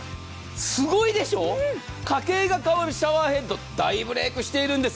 すごいでしょ、家計が変わるシャワーヘッド、大ブレークしているんです。